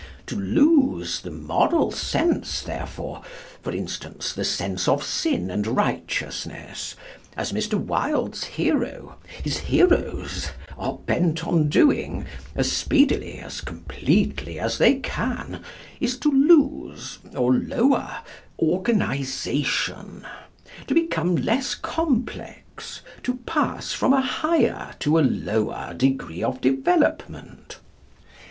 To lose the moral sense therefore, for instance, the sense of sin and righteousness, as Mr. Wilde's hero his heroes are bent on doing as speedily, as completely as they can, is to lose, or lower, organisation, to become less complex, to pass from a higher to a lower degree of development.